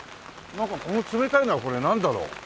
なんかこの冷たいのはこれなんだろう？